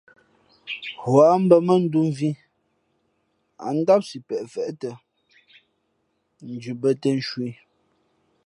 Huά mbᾱ mά ndū mvhī ǎ ndám sipeʼ feʼtα ndhʉ bᾱ těn nshu ī.